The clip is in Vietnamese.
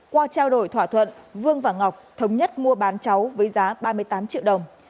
qua trao đổi thỏa thuận vương và ngọc thống nhất mua bán cháu với giá ba mươi tám triệu đồng